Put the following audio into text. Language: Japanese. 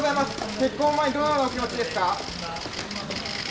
結婚を前にどのようなお気持ちですか？